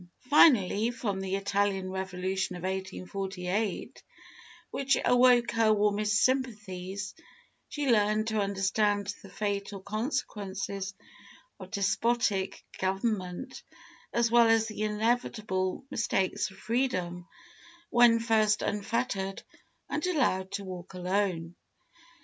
Finally, from the Italian revolution of 1848, which awoke her warmest sympathies, she learned to understand the fatal consequences of despotic government, as well as the inevitable mistakes of freedom, when first unfettered and allowed to walk alone.